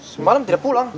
semalam tidak pulang